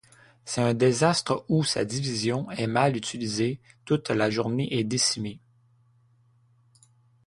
C'est un désastre où sa division est mal utilisée toute la journée et décimée.